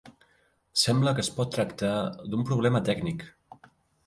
Sembla que es pot tractar d'un problema tècnic.